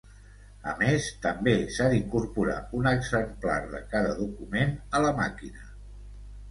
A més, també s'ha d'incorporar un exemplar de cada document a la màquina.